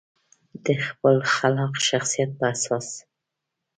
د خپل خلاق شخصیت په اساس.